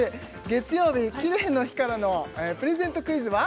月曜日キレイの日からのプレゼントクイズは？